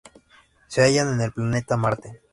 Se hallan en el planeta Marte.